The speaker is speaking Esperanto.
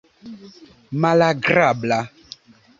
malagrabla